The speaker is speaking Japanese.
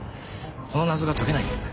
その謎が解けないんです。